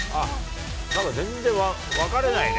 全然分かれないね。